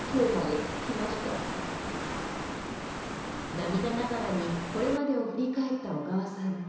涙ながらにこれまでを振り返った小川さん。